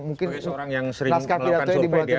mungkin naskah pidatonya dibuatkan